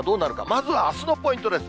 まずはあすのポイントです。